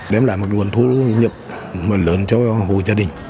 đem lại một nguồn thu nhập lớn cho hộ gia đình